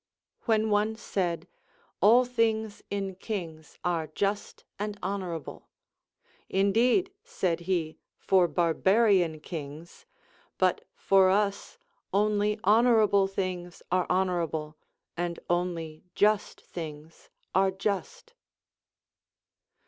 When one said. All things in kings are just and honorable, — Indeed, said he, for barbarian kings ; but for us only honorable things are honorable, and only just things are just.